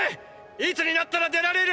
いつになったら出られる！！